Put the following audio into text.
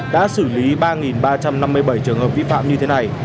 đã xử lý ba ba trăm năm mươi bảy trường hợp vi phạm như thế này